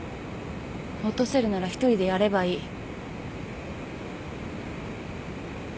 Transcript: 落とせるなら一人でやればいい。